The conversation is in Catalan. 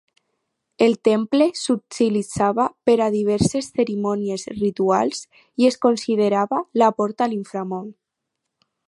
El temple s'utilitzava per a diverses cerimònies rituals, i es considerava la porta a l'inframón.